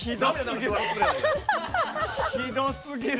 ひどすぎる！